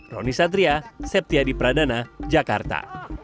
roni satria septiadi pradana jakarta